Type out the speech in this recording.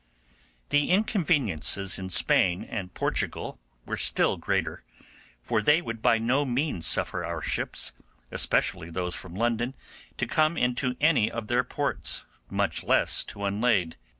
The inconveniences in Spain and Portugal were still greater, for they would by no means suffer our ships, especially those from London, to come into any of their ports, much less to unlade.